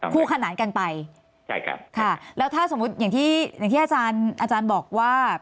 คู่ขนานกันไปค่ะแล้วถ้าสมมุติอย่างที่อาจารย์บอกว่า